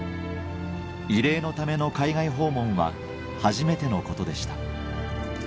慰霊のための海外訪問は初めてのことでした